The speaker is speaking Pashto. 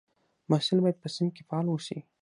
محصل باید په صنف کې فعال واوسي.